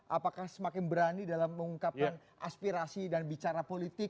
apakah semakin berani dalam mengungkapkan aspirasi dan bicara politik